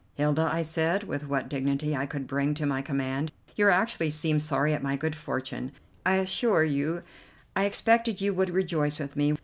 "Hilda," I said, with what dignity I could bring to my command, "you actually seem sorry at my good fortune. I assure you I expected you would rejoice with me.